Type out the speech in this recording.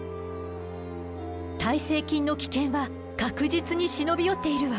耐性菌の危険は確実に忍び寄っているわ。